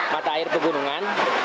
mata air pegunungan